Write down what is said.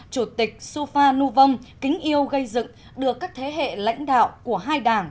chủ tịch supha nu vong kính yêu gây dựng được các thế hệ lãnh đạo của hai đảng